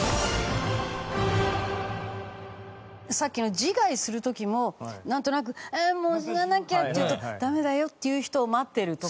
さっきの自害する時もなんとなく「ああもう死ななきゃ」っていうと「ダメだよ」っていう人を待ってるとか。